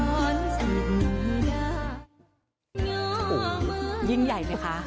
โอ้โหยิ่งใหญ่ไหมคะ